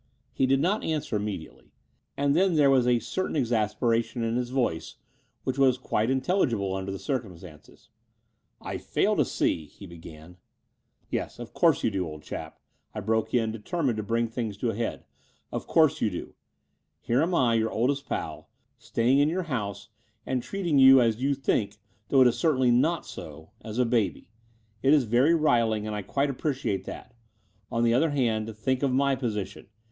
He did not answer immediately : and then there was a certain exasperation in his voice, which was quite intelligible under the circumstances. '*I fail to see —" he began. Yes, of course you do, old chap," I broke in, determined to bring things to a head, "of course you do. Here am I, your oldest pal, stajring in your house and treating you, as you think, though it certainly is not so, as a baby. It is very riling; and I quite appreciate that. On the other hand, think of my position.